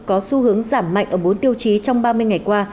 có xu hướng giảm mạnh ở bốn tiêu chí trong ba mươi ngày qua